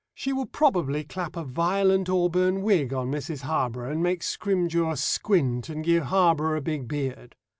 She will probably clap a violent auburn wig on Mrs. Harborough and make Scrimgeour squint and give Harborough a big beard.